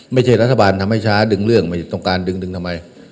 ไม่ใช่รัฐบาลทำให้ช้าดึงเรื่องไม่ต้องการดึงดึงทำไม